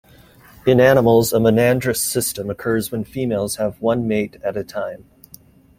In animals, a monandrous system occurs when females have one mate at a time.